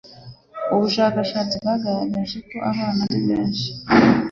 Ubushakashatsi bwagaragaje ko abana ari besnhi